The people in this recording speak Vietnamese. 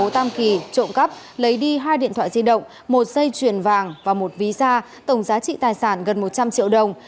tam kỳ trộm cắp lấy đi hai điện thoại di động một dây chuyền vàng và một ví da tổng giá trị tài sản gần một trăm linh triệu đồng